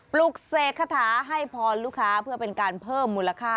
ปลุกเสกคาถาให้พรลูกค้าเพื่อเป็นการเพิ่มมูลค่า